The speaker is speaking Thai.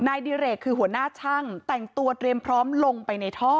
ดิเรกคือหัวหน้าช่างแต่งตัวเตรียมพร้อมลงไปในท่อ